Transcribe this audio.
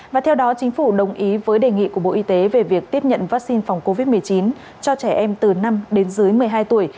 và theo đó chính phủ đồng ý với đề nghị của bộ y tế về việc tiếp nhận vaccine phòng covid một mươi chín cho trẻ em từ năm đến dưới một mươi hai tuổi